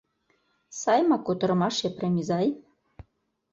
— Сай ма кутырымаш, Епрем изай?